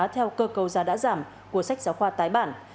theo cơ cầu giá đã giảm của sách giáo khoa tái bản